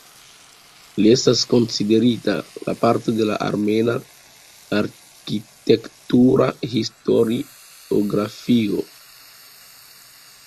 Li estas konsiderita "la patro de la armena arkitektura historiografio.